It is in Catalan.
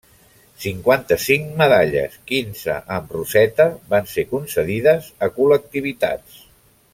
Cinquanta-cinc medalles, quinze amb roseta, van ser concedides a col·lectivitats.